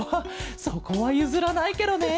そこはゆずらないケロね。